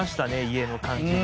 『家』の感じが。